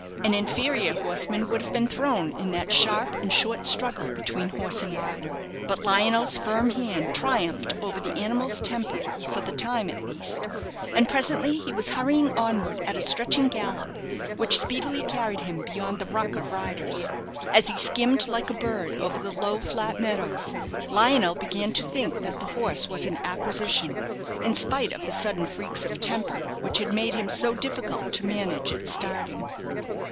An inferior horseman would have been thrown in that sharp and short struggle between horse and rider; but Lionel's firm hand triumphed over the animal's temper for the time at least; and presently he was hurrying onward at a stretching gallop, which speedily carried him beyond the ruck of riders. As he skimmed like a bird over the low flat meadows, Lionel began to think that the horse was an acquisition, in spite of the sudden freaks of temper which had made him so difficult to manage at starting.